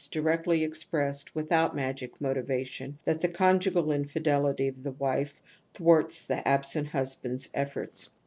directly expressed withouy magic \v^ motivation) that the conjugal iniidelit^ of the wife thwarts the absent husband's efforts.